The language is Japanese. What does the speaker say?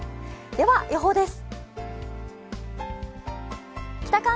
では、予報です。